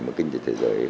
mà kinh tế thế giới